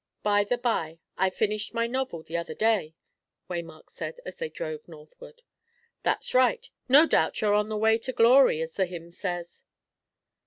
"By the by, I finished my novel the other day," Waymark said, as they drove northward. "That's right. No doubt you're on your way to glory, as the hymn says."